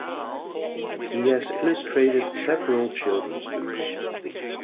He has illustrated several children's books.